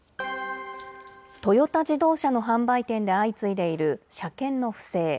トヨタ自動車の販売店で相次いでいる、車検の不正。